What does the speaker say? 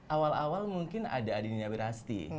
awal awal mungkin ada adi niyabir asti